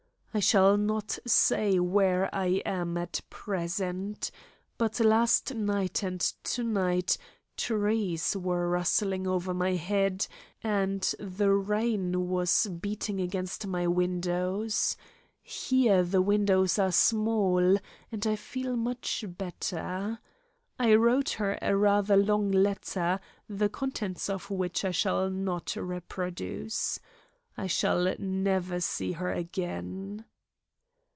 I shall not say where I am at present, but last night and to night trees were rustling over my head and the rain was beating against my windows. Here the windows are small, and I feel much better. I wrote her a rather long letter, the contents of which I shall not reproduce. I shall never see her again.